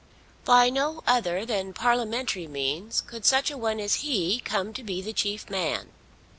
By no other than parliamentary means could such a one as he come to be the chief man.